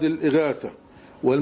dan makhluk kegiatan tersebut